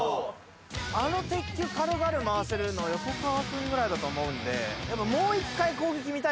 あの鉄球軽々回せるの横川君ぐらいだと思うんで。